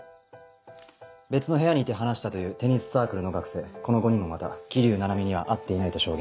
別の部屋にいて話したというテニスサークルの学生この５人もまた桐生菜々美には会っていないと証言した。